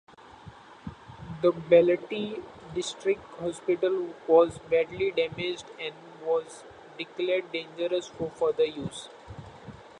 The Balete District Hospital was badly damaged and was declared dangerous for future use.